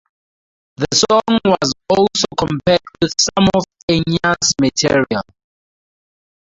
The song was also compared with some of Enya's material.